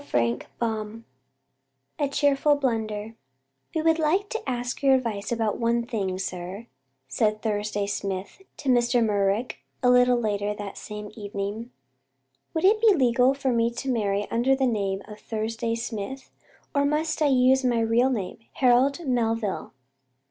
CHAPTER XXIV A CHEERFUL BLUNDER "We would like to ask your advice about one thing, sir," said Thursday Smith to Mr. Merrick, a little later that same evening. "Would it be legal for me to marry under the name of Thursday Smith, or must I use my real name Harold Melville?"